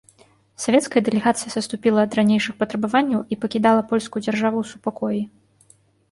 Савецкая дэлегацыя саступіла ад ранейшых патрабаванняў і пакідала польскую дзяржаву ў супакоі.